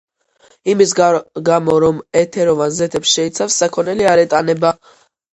იმის გამო, რომ ეთეროვან ზეთებს შეიცავს, საქონელი არ ეტანება.